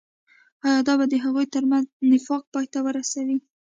آيا دا به د هغوي تر منځ نفاق پاي ته ورسوي.